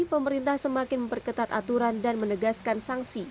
pemerintah semakin memperketat aturan dan menegaskan sanksi